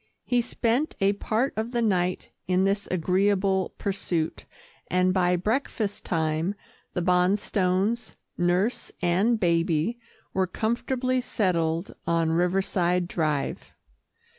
He spent a part of the night in this agreeable pursuit, and by breakfast time the Bonstones, nurse and baby were comfortably settled on Riverside Drive.